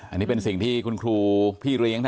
อันนี้เป็นสิ่งที่คุณครูพี่เลี้ยง